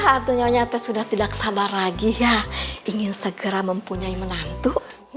hati hati sudah tidak sabar lagi ya ingin segera mempunyai menantu